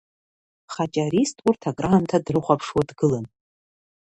Хаҷарист урҭ акраамҭа дрыхәаԥшуа дгылан.